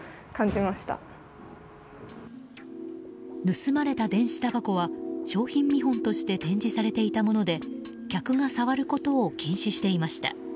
盗まれた電子たばこは商品見本として展示されていたもので客が触ることを禁止していました。